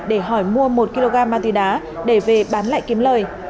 để hỏi mua một kg ma túy đá để về bán lại kiếm lời